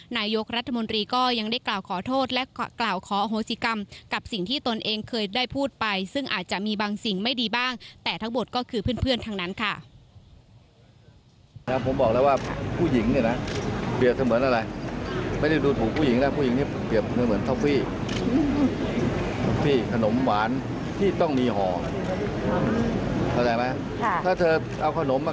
นายกรัฐมนตรีก็ยังได้กล่าวขอโทษและกล่าวขออโหสิกรรมกับสิ่งที่ตนเองเคยได้พูดไปซึ่งอาจจะมีบางสิ่งไม่ดีบ้างแต่ทั้งหมดก็คือเพื่อนทั้งนั้นค่ะ